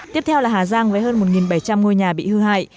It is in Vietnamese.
tiếp theo là hà giang với hơn một bảy trăm linh ngôi nhà bị hư hại